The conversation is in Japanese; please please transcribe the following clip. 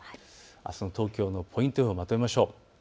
あすの東京のポイント予報、まとめましょう。